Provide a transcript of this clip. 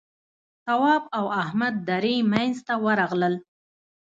تواب او احمد درې مينځ ته ورغلل.